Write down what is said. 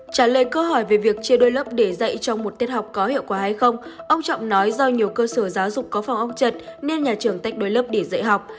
trả lời câu hỏi về việc chia đôi lớp để dạy cho một tiết học có hiệu quả hay không ông trọng nói do nhiều cơ sở giáo dục có phòng ong chật nên nhà trường tách đôi lớp để dạy học